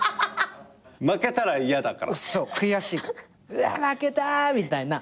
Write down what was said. うわ負けたみたいな。